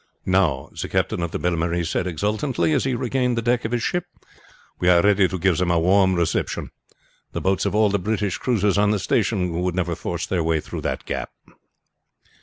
"Now," the captain of the Belle Marie said exultantly, as he regained the deck of his ship, "we are ready to give them a warm reception. The boats of all the British cruisers on the station would never force their way through that gap."